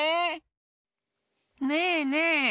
ねえねえ！